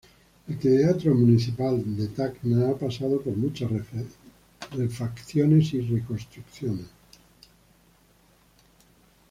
El Teatro Municipal de Tacna ha pasado por muchas refacciones y reconstrucciones.